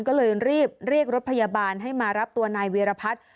ก็เลยรีบเรียกรถพยาบาลให้มารับตัวนายเวียรพัฒน์